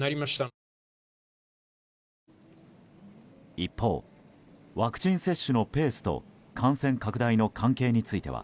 一方、ワクチン接種のペースと感染拡大の関係については